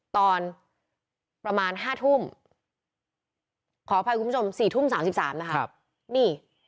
ตอนประมาณห้าทุ่มขออภัยคุณผู้ชมสี่ทุ่มสามสิบสามนะครับนี่